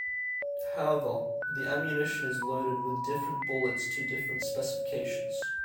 However, the ammunition is loaded with different bullets to different specifications.